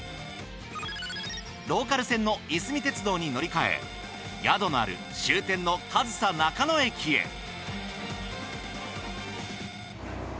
ローカル線のいすみ鉄道に乗り換え宿のある終点の上総中野駅へ。